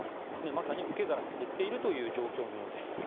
まさに受け皿が減っている状況のようです。